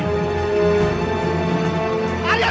arian wibanga keluar